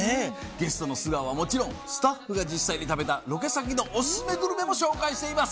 ゲストの素顔はもちろんスタッフが実際に食べたロケ先のオススメグルメも紹介しています。